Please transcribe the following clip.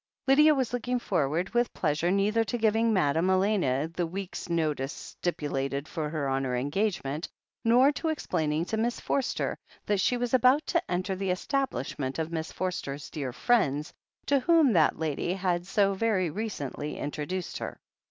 Lydia was looking forward with pleasure neither to giving Madame Elena the week's notice stipulated for on her engagement, nor to explaining to Miss Forster that she was about to enter the establishment of Miss Forster's dear friends, to whom that lady had so very recently introduced her.